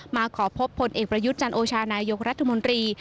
มาขอพบพลเอกประยุทธ์จันโอชานายกรัฐมนตรี